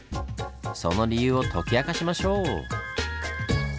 その理由を解き明かしましょう！